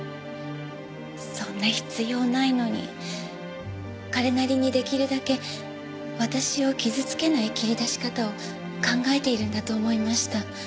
そんな必要ないのに彼なりに出来るだけ私を傷つけない切り出し方を考えているんだと思いました。